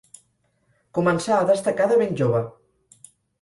Començà a destacar de ben jove.